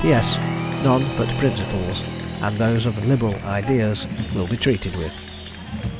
"P. S. None but principals, and those of liberal ideas, will be treated with."